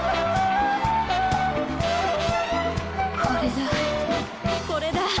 これだこれだ！